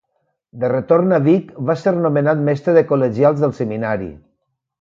De retorn a Vic va ser nomenat mestre de col·legials del Seminari.